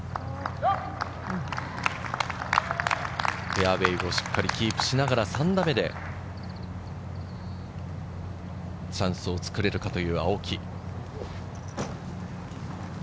フェアウエーをしっかりキープしながら３打目でチャンスを作れるかという青木。